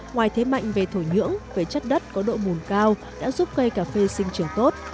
ngoài thế mạnh về thổ nhưỡng về chất đất có độ mùn cao đã giúp cây cà phê sinh trường tốt